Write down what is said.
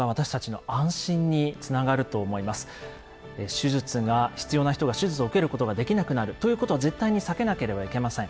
手術が必要な人が手術を受けることができなくなるということは絶対に避けなければいけません。